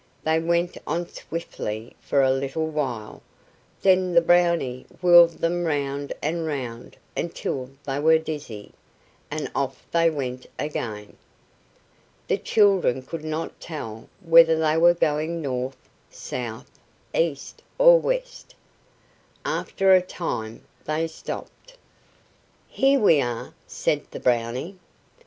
They went on swiftly for a little while, then the Brownie whirled them round and round until they were dizzy, and off they went again. The children could not tell whether they were going north, south, east, or west. After a time they stopped. "Here we are," said the Brownie.